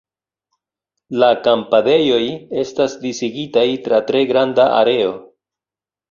La kampadejoj estas disigitaj tra tre granda areo.